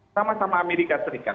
sama sama amerika serikat